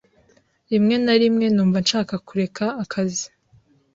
Rimwe na rimwe numva nshaka kureka akazi.